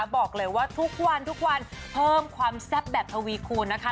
บอกเลยว่าทุกวันทุกวันเพิ่มความแซ่บแบบทวีคูณนะคะ